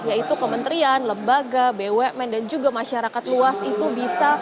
yaitu kementerian lembaga bumn dan juga masyarakat luas itu bisa